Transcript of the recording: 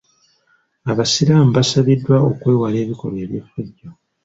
Abasiraamu basabiddwa okwewala ebikolwa eby'effujjo.